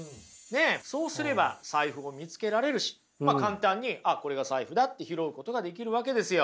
そうすれば財布を見つけられるしまあ簡単にこれが財布だって拾うことができるわけですよ。